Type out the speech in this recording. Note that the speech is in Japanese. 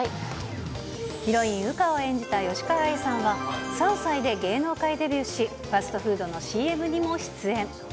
ヒロイン、羽花を演じた吉川愛さんは、３歳で芸能界デビューし、ファストフードのＣＭにも出演。